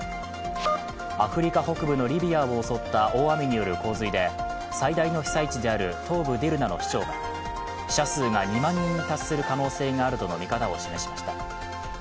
アフリカ北部のリビアを襲った大雨による洪水で最大の被災地である東部デルナの市長は死者数が２万人に達する可能性があるとの見方を示しました。